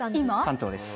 館長です。